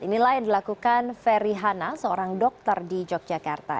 inilah yang dilakukan ferry hana seorang dokter di yogyakarta